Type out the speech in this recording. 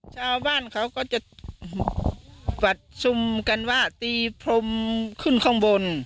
ชาวบ้านเขาก็จะปัดซุมกันว่าตีพรมขึ้นข้างบน